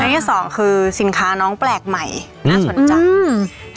ที่สองคือสินค้าน้องแปลกใหม่น่าสนใจ